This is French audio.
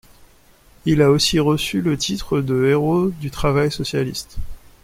Il a aussi reçu le titre de Héros du travail socialiste.